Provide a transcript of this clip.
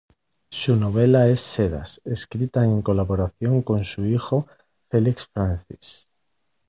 Su última novela es "Sedas", escrita en colaboración con su hijo Felix Francis.